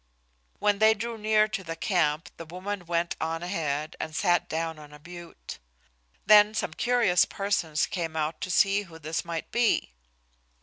When they drew near to the camp the woman went on ahead and sat down on a butte. Then some curious persons came out to see who this might be.